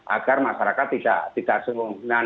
agar masyarakat tidak seungguh sungguh